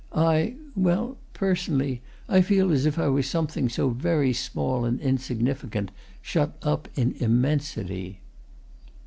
I well, personally, I feel as if I were something so very small and insignificant, shut up in immensity."